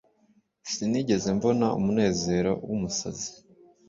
sinigeze mbona munezero umusazi